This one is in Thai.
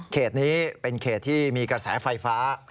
นี้เป็นเขตที่มีกระแสไฟฟ้า